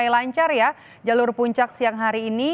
lancar ya jalur puncak siang hari ini